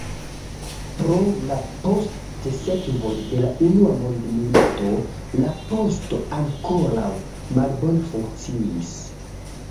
Pro la postsekvoj de la Unua Mondmilito, la poŝto ankoraŭ malbone funkciis.